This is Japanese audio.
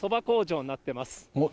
工場になってます。